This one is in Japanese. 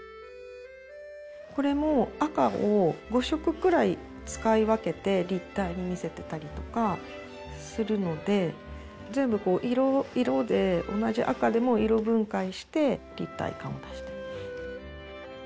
これも赤を５色くらい使い分けて立体に見せてたりとかするので全部こう色で同じ赤でも色分解して立体感を出してる。